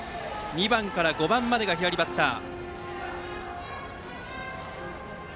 ２番から５番までが左バッター。